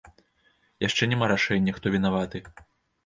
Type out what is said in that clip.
Яшчэ няма рашэння, хто вінаваты.